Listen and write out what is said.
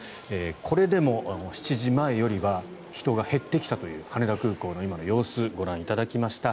これでも７時前よりは人が減ってきたという羽田空港の今の様子ご覧いただきました。